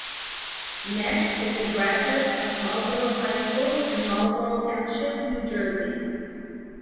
Mesh is a graduate of Marlboro High School in Marlboro Township, New Jersey.